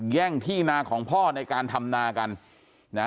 แย่งที่นาของพ่อในการทำนากันนะ